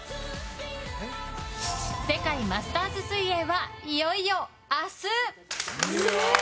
世界マスターズ水泳はいよいよ明日！